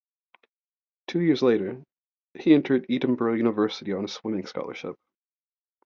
Two years later, he entered Edinboro University on a swimming scholarship.